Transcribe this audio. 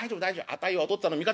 あたいはお父っつぁんの味方。